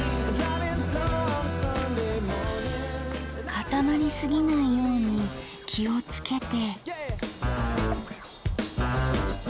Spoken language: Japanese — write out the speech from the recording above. かたまりすぎないように気をつけて。